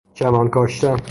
چمن کاشتن